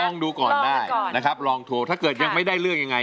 ลองดูก่อนได้นะครับลองโทรถ้าเกิดยังไม่ได้เลือกยังไง